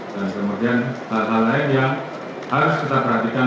dan kemudian hal hal lain yang harus kita perhatikan